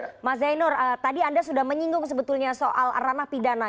oke mas zainur tadi anda sudah menyinggung sebetulnya soal ranah pidana